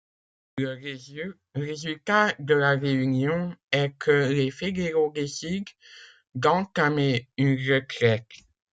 Le résultat de la réunion est que les fédéraux décident d'entamer une retraite.